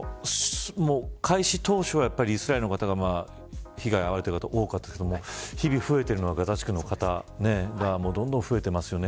開始当初はイスラエルの方が被害に遭われてる方が多かったですが日々増えてるのはガザ地区の方がどんどん増えてますよね。